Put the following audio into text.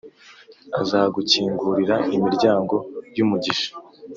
Azagukingurira imiryango yumugisha